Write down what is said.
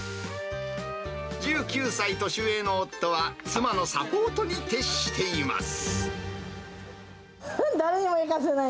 １９歳年上の夫は、妻のサポート誰にも焼かせない。